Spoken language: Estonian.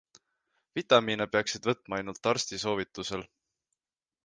Vitamiine peaksid võtma ainult arsti soovitusel.